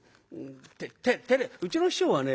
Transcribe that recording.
うちの師匠はね